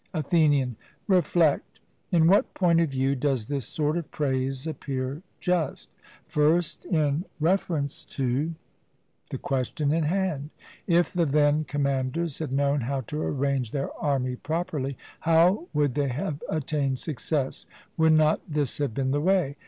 ATHENIAN: Reflect; in what point of view does this sort of praise appear just: First, in reference to the question in hand: If the then commanders had known how to arrange their army properly, how would they have attained success? Would not this have been the way?